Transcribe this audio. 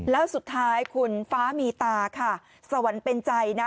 แล้วสุดท้ายคุณฟ้ามีตาค่ะสวรรค์เป็นใจนะ